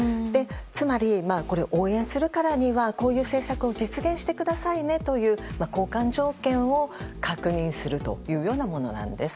つまり、応援するからにはこういう政策を実現してくださいねという交換条件を確認するというものなんです。